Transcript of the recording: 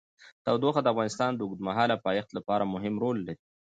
تودوخه د افغانستان د اوږدمهاله پایښت لپاره مهم رول لري.